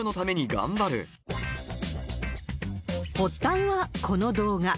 発端は、この動画。